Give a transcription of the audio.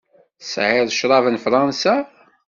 Tesεiḍ ccrab n Fransa?